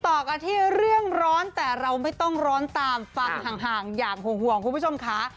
ต่อกันที่เรื่องร้อนแต่เราไม่ต้องร้อนตามฟังห่างอย่างห่วงคุณผู้ชมค่ะ